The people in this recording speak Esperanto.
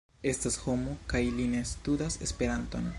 Estas homo, kaj li ne studas Esperanton.